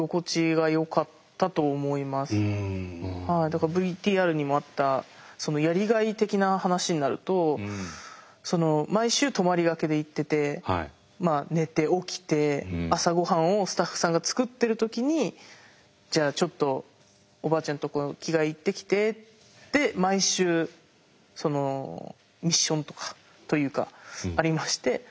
だからＶＴＲにもあったそのやりがい的な話になるとその毎週泊まりがけで行ってて寝て起きて朝ごはんをスタッフさんが作ってる時にじゃあちょっとおばあちゃんとこの着替え行ってきてって毎週そのミッションとかというかありまして。